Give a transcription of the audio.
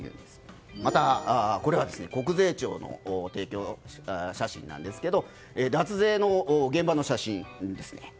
また、これは国税庁の提供写真ですが脱税の現場の写真です。